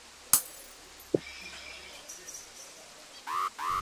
হ্যাঁ, এখন প্লেনে একা একটু উড়ে বেড়ানোর জন্য আমার আর তর সইছে না!